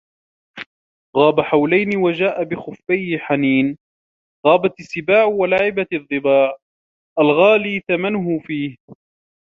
غاب حولين وجاء بِخُفَّيْ حنين غابت السباع ولعبت الضباع الغالي ثمنه فيه